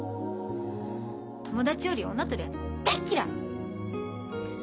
友達より女取るやつ大っ嫌い！